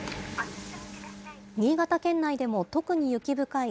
新潟県内でも、特に雪深い